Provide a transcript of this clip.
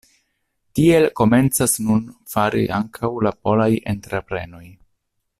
Tiel komencas nun fari ankaŭ la polaj entreprenoj.